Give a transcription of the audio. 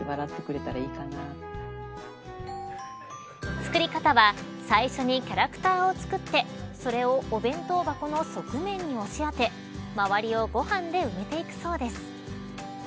作り方は最初にキャラクターを作ってそれをお弁当箱の側面に押し当て周りをご飯で埋めていくそうです。